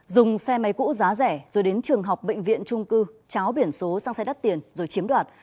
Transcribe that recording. dùng xe máy cũ giá rẻ rồi đến trường học bệnh viện trung cư cháo biển số sang xe đắt tiền rồi chiếm đoạt